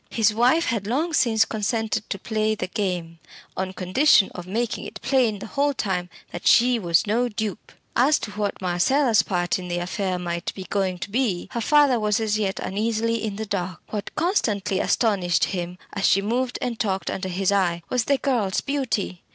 His wife had long since consented to play the game, on condition of making it plain the whole time that she was no dupe. As to what Marcella's part in the affair might be going to be, her father was as yet uneasily in the dark. What constantly astonished him, as she moved and talked under his eye, was the girl's beauty.